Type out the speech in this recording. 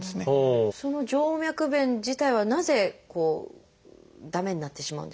その静脈弁自体はなぜ駄目になってしまうんですか？